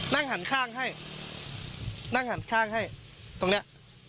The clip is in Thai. นั่งหันข้างให้นั่งหันข้างให้ตรงนี้